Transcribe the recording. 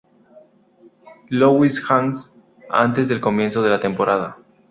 Louis Hawks antes del comienzo de la temporada.